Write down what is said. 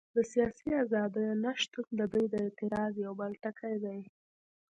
د سیاسي ازادیو نه شتون د دوی د اعتراض یو بل ټکی دی.